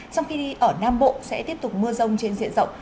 trong khi đi ở nam bộ sẽ tiếp tục mưa rông trên diện rộng